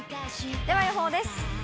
では予報です。